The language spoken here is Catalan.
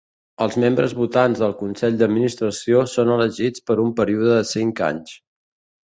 Els membres votants del consell d'administració són elegits per un període de cinc anys.